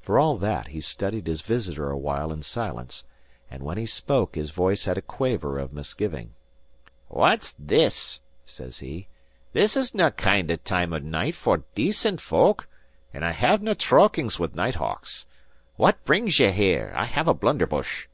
For all that, he studied his visitor awhile in silence, and when he spoke his voice had a quaver of misgiving. "What's this?" says he. "This is nae kind of time of night for decent folk; and I hae nae trokings* wi' night hawks. What brings ye here? I have a blunderbush."